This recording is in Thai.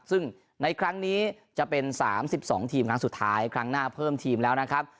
ซึ่งในครั้งนี้จะเป็น๓๒ทีมครั้งสุดท้ายครั้งหน้าเพิ่มทีมแล้วนะครับ